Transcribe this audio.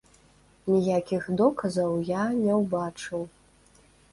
Ніякіх доказаў я не ўбачыў.